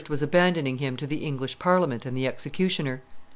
was abandoning him to the English Parliament and the executioner.